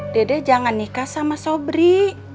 dede jangan nikah sama sobri